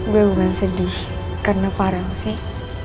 gue bukan sedih karena farel sih